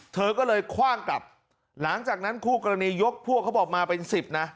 เธอก็เลยคว่างกลับหลังจากนั้นคู่กรณียกพวกเขาบอกมาเป็นสิบนะ